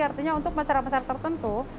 artinya untuk masyarakat tertentu